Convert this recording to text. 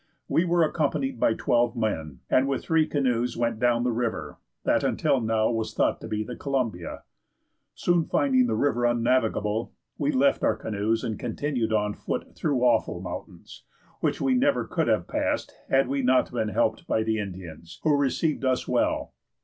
We were accompanied by twelve men, and with three canoes went down the river, that until now was thought to be the Columbia. Soon finding the river unnavigable, we left our canoes and continued on foot through awful mountains, which we never could have passed had we not been helped by the Indians, who received us well.